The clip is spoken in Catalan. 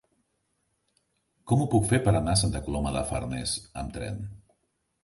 Com ho puc fer per anar a Santa Coloma de Farners amb tren?